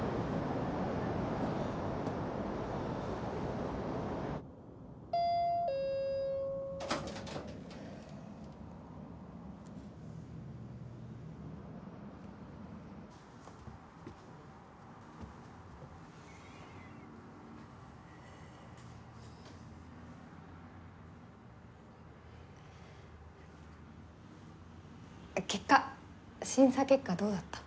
結果審査結果どうだった？